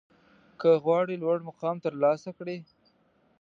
که غواړئ لوړ مقام ترلاسه کړئ